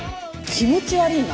気持ち悪ぃな！